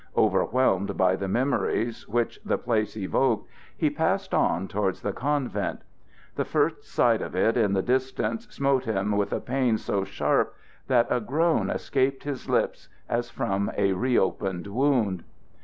Overwhelmed by the memories which the place evoked, he passed on towards the convent. The first sight of it in the distance smote him with a pain so sharp that a groan escaped his lips as from a reopened wound.